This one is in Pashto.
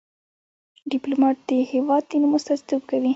ډيپلومات د هېواد د نوم استازیتوب کوي.